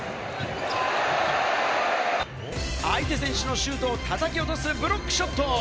相手選手のシュートを叩き落とす、ブロックショット。